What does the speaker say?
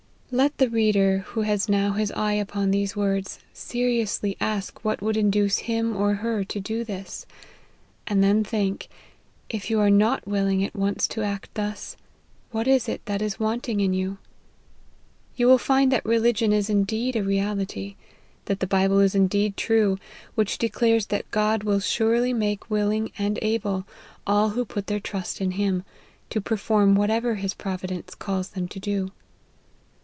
Let the reader, who has now his eye upon these words, seriously ask what would induce him or her to do this ; and then think, if you are not willing at once to act thus, what it is that is wanting in you. You will find that religion is in deed a reality : that the Bible is indeed true, which declares that God will surely make willing and able, all who put their trust in Him, to perform whatever his providence calls them to do.